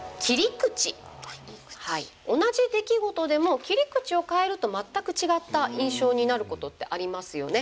同じ出来事でも切り口を変えると全く違った印象になることってありますよね。